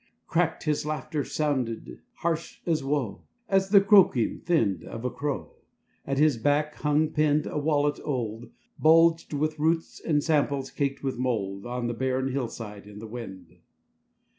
Cracked his laughter sounded, harsh as woe, As the croaking, thinned, of a crow: At his back hung, pinned, a wallet old, Bulged with roots and simples caked with mould: On the barren hillside in the wind.